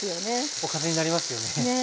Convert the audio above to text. おかずになりますよね。ね。